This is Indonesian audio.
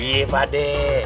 iya pak de